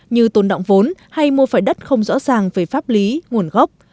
như tồn động vốn hay mua phải đất không rõ ràng về pháp lý nguồn gốc